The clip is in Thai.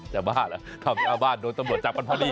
อย่าบ้าจริงข้าวนี้หน้าบ้านโดนตำรวจจับปันพอดี